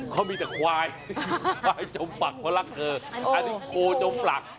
เขามีแต่ควายควายจมปลักเพราะรักเธออันนี้โคจมปลัก